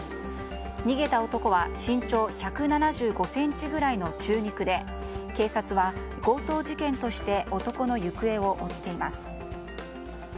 逃げた男は身長１７５ｃｍぐらいの中肉で警察は強盗事件として男の行方を追っています。